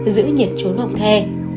giữ nhiệt chốn phòng the